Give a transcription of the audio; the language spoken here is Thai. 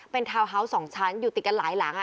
เป็นทาวน์ฮาวส์๒ชั้นอยู่ติดกันหลายหลัง